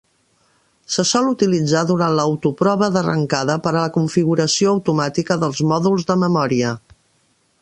Se sol utilitzar durant la autoprova d'arrencada per a la configuració automàtica dels mòduls de memòria.